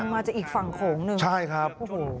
มันมาจากอีกฝั่งโขมนึงโอ้โฮค่ะใช่ครับ